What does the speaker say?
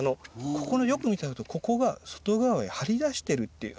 ここよく見て頂くとここが外側へ張り出してるっていう。